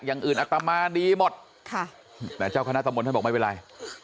อย่างอื่นอัตมาดีหมดค่ะแต่เจ้าคณะตะมนต์ท่านบอกไม่เป็นไร